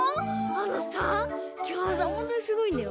あのさきょうさほんとにすごいんだよ。